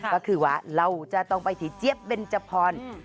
ก็คือว่าเราจะต้องไปที่เจี๊ยบเบนจพร